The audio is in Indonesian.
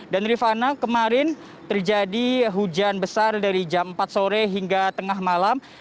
dan rifana kemarin terjadi hujan besar dari jam empat sore hingga tengah malam